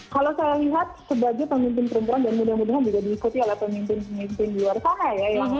kalau saya lihat sebagai pemimpin perempuan dan mudah mudahan juga diikuti oleh pemimpin pemimpin di luar sana ya